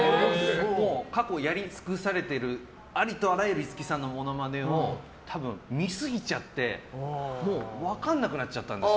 過去やり尽くされてるありとあらゆる五木さんのモノマネを多分、見すぎちゃって分からなくなっちゃったんです。